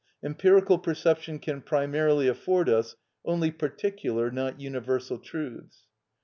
Empirical perception can primarily afford us only particular, not universal truths.